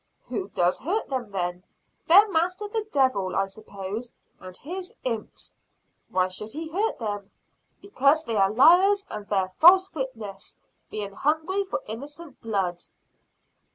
"Who does hurt them then?" "Their master, the devil, I suppose and his imps." "Why should he hurt them?" "Because they are liars, and bear false witness; being hungry for innocent blood."